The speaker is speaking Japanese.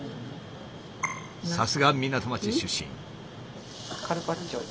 さすが港町出身。